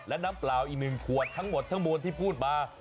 และน้ำเปล่าอีก๑ขวดทั้งหมดทั้งมวลที่พูดมา